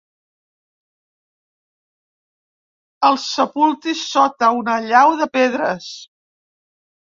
El sepultis sota una allau de pedres.